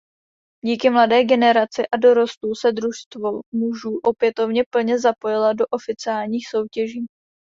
Díky mladé generaci a dorostu se družstvo mužů opětovně plně zapojilo do oficiálních soutěží.